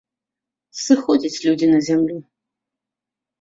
Сыходзяць людзі на зямлю.